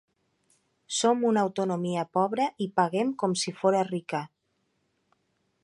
Som una autonomia pobra i paguem com si fóra rica.